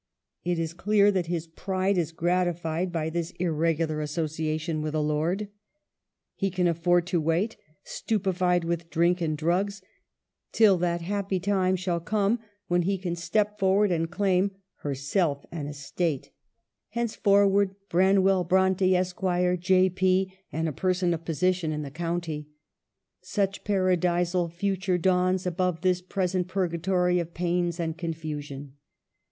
It is clear that his pride is gratified by this ir regular association with a lord. He can afford to wait, stupefied with drink and drugs, till that happy time shall come when he can step forward and claim " herself and estate," hence 1 Pictures of the Past. 164 EMILY BRONTE. forward Branwell Bronte, Esq., J. P., and a person of position in the county. Such paradisal future dawns above this present purgatory of pains and confusion.